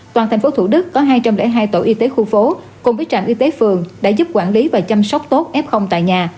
toàn thành phố thủ đức có hai trăm linh hai tổ y tế khu phố cùng với trạm y tế phường đã giúp quản lý và chăm sóc tốt f tại nhà